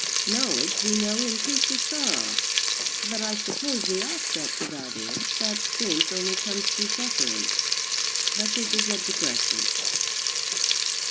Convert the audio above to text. Knowledge, we know, increases sorrow; but I suppose the offset to that is, that strength only comes through suffering. But this is a digression.